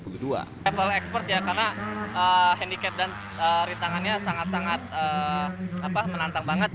level expert ya karena handicap dan rintangannya sangat sangat menantang banget